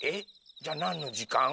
じゃあなんのじかん？